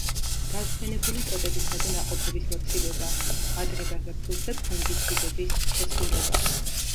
დაზიანებული ტოტებისა და ნაყოფების მოცილება, ადრე გაზაფხულზე ფუნგიციდების შესხურება.